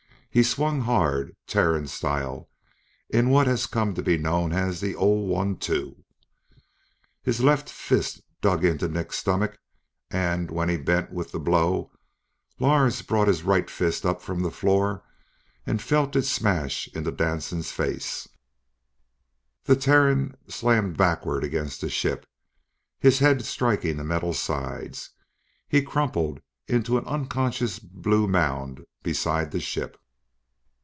He swung hard, Terran style, in what had come to be known as the "ole one two." His left fist dug into Nick's stomach and, when he bent with the blow, Lors brought his right fist up from the floor and felt it smash into Danson's face. The Terran slammed backwards against the ship, his head striking the metal sides. He crumpled into an unconscious blue mound beside the ship.